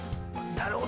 ◆なるほど。